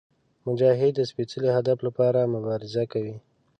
مجاهد د سپېڅلي هدف لپاره مبارزه کوي.